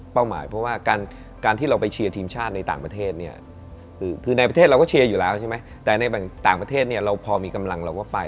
หมายเพราะว่าการที่เราไปเชียร์ทีมชาติในต่างประเทศเนี่ยคือในประเทศเราก็เชียร์อยู่แล้วใช่ไหมแต่ในต่างประเทศเนี่ยเราพอมีกำลังเราก็ไป